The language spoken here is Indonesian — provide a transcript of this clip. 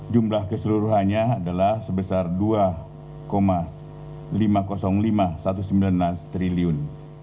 jumlah keseluruhannya adalah sebesar dua lima ratus lima triliun